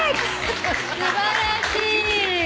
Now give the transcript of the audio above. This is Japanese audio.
素晴らしい。